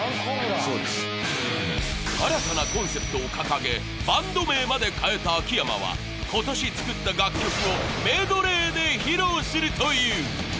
新たなコンセプトを掲げバンド名まで変えた秋山は今年作った楽曲をメドレーで披露するという。